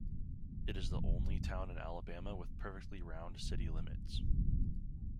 It is the only town in Alabama with perfectly round city limits.